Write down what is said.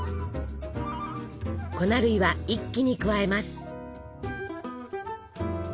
粉類は一気に加えます。